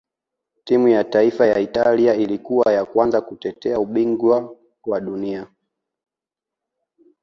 timu ya taifa ya italia ilikuwa ya kwanza kutetea ubingwa wa dunia